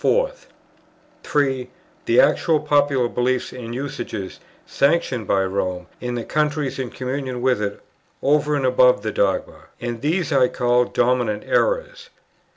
3, the actual popular beliefs and usages sanctioned by Rome in the countries in communion with it, over and above the dogmas; and these I called "dominant errors."